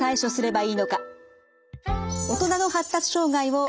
はい。